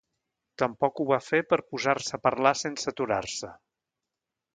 Tampoc ho va fer per posar-se a parlar sense aturar-se.